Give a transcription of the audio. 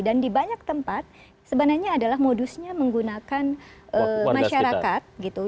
dan di banyak tempat sebenarnya adalah modusnya menggunakan masyarakat gitu